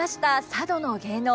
佐渡の芸能